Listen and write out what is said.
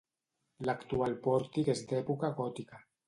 L'actual pòrtic és d'època gòtica.